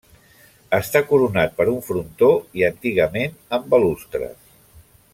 Està coronat per un frontó i antigament amb balustres.